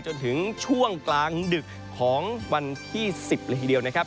จนถึงช่วงกลางดึกของวันที่๑๐เลยทีเดียวนะครับ